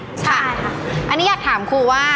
ใช่ค่ะอันนี้อยากถามครูว่า